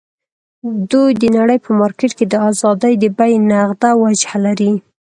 دوی د نړۍ په مارکېټ کې د ازادۍ د بیې نغده وجه لري.